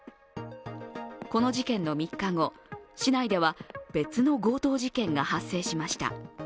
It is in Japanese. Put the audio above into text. この事件の３日後、市内では別の強盗事件が発生しました。